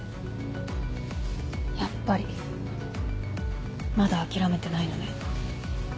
やっぱりまだ諦めてないのね。